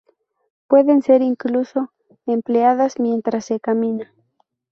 Pueden ser incluso empleadas mientras se camina.